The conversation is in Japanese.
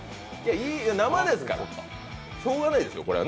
生ですから、しようがないですよ、これは。